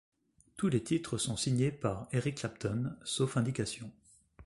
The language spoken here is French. Tous les titres sont signés par Eric Clapton sauf indications.